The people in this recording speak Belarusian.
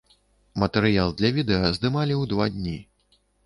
Матэрыял для відэа здымалі ў два дні.